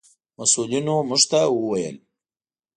مسؤلینو موږ ته و ویل: